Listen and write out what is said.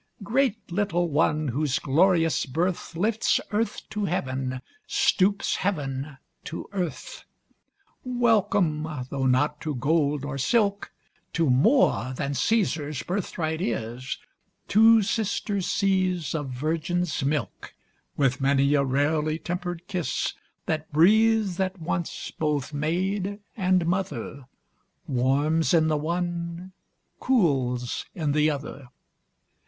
Great little one, whose glorious birth, Lifts Earth to Heaven, stoops heaven to earth. Welcome, though not to gold, nor silk, To more than Cæsar's birthright is, Two sister seas of virgin's milk, WIth many a rarely temper'd kiss, That breathes at once both maid and mother, Warms in the one, cools in the other.